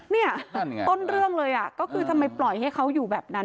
เนี่ยต้นเรื่องเลยก็คือทำไมปล่อยให้เขาอยู่แบบนั้น